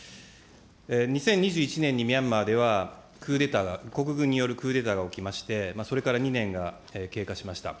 ２０２１年に、ミャンマーではクーデターが、国軍によるクーデターが起きまして、それから２年が経過しました。